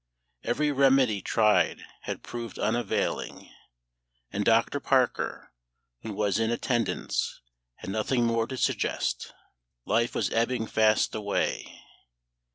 Every remedy tried had proved unavailing; and Dr. Parker, who was in attendance, had nothing more to suggest. Life was ebbing fast away.